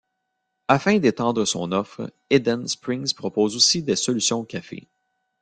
Afin d’étendre son offre, Eden Springs propose aussi des solutions café.